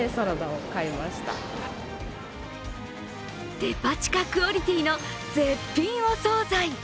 デパ地下クオリティーの絶品お総菜。